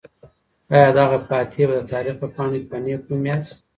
آیا دغه فاتح به د تاریخ په پاڼو کې په نېک نوم یاد شي؟